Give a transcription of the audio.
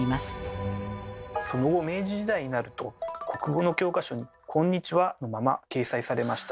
その後明治時代になると国語の教科書に「今日は」のまま掲載されました。